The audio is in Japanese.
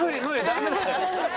ダメだよ。